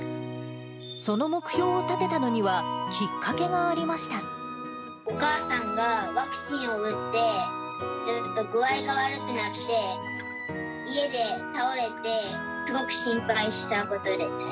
その目標を立てたのには、お母さんがワクチンを打って、具合が悪くなって、家で倒れて、すごく心配したことです。